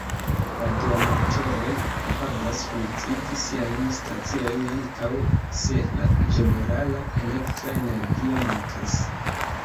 Radioamatoroj kapablas funkciigi siajn staciojn ankaŭ se la ĝenerala elektra energio mankas.